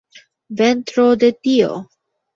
Ventro de tio!